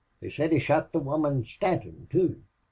They said he shot the woman Stanton, too."